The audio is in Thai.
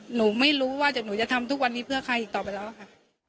หนูไม่รู้ว่าหนูจะทำทุกวันนี้เพื่อใครอีกต่อไปแล้วค่ะ